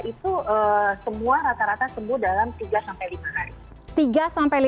itu semua rata rata sembuh dalam tiga sampai lima hari